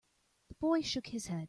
The boy shook his head.